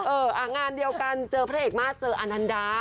งานเดียวกันเจอพระเอกมาสเจออนันดา